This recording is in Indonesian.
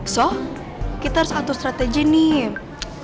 so kita harus atur strategi nih